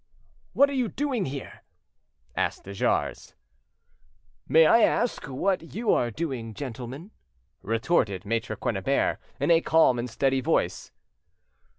"What are you doing here?" asked de Jars. "May I ask what you are doing, gentlemen?" retorted Maitre Quennebert, in a calm and steady voice.